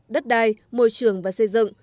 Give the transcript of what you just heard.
đất đai môi trường và xây dựng